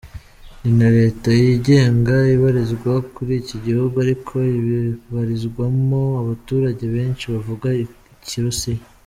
Ni na Leta yigenga ibarizwa kuri iki gihugu, ariko ibarizwamo abaturage benshi bavuga Ikirusiya.